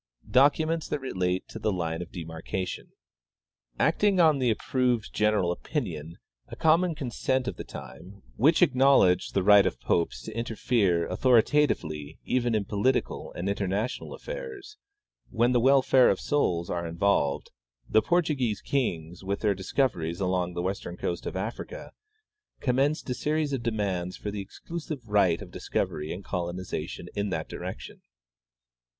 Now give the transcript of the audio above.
" Documents that Relate to the Line of Demarcation. "Acting on the approved general opinion, a common consent of the time, which acknowledged the right of popes to interfere autlioritatively even in political and international affairs, when the welfare of souls are involved, the Portuguese kings, with their discoveries along the western coast of Africa, commenced a series of demands for the exclusive right of discovery and coloniza tion in that direction.